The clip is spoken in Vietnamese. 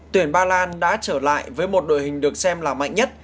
tuyển ba lan đã trở lại với một đội hình được xem là mạnh nhất